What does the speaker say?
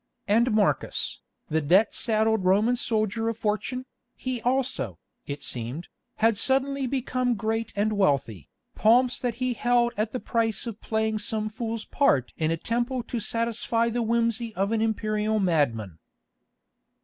And Marcus, the debt saddled Roman soldier of fortune, he also, it seemed, had suddenly become great and wealthy, pomps that he held at the price of playing some fool's part in a temple to satisfy the whimsy of an Imperial madman.